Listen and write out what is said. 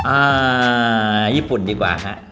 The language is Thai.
อ่าญี่ปุ่นดีกว่าฮะ